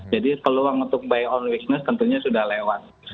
jadi peluang untuk buy on weakness tentunya sudah lewat